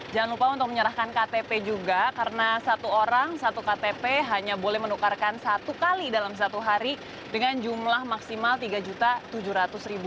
jangan lupa untuk menyerahkan ktp juga karena satu orang satu ktp hanya boleh menukarkan satu kali dalam satu hari dengan jumlah maksimal rp tiga tujuh ratus